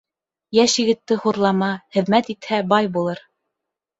Йәш егетте хурлама, хеҙмәт итһә, бай булыр.